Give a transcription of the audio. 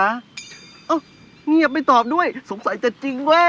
เอ๊ะเงียบไม่ตอบด้วยสงสัยแต่ยังว่านี่